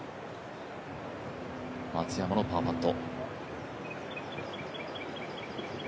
松山のパーパット。